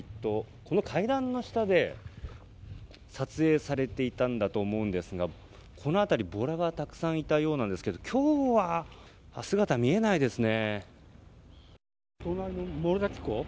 この海岸の下で撮影されていたと思うんですがこの辺りボラがたくさんいたようなんですが今日は姿が見えないですね。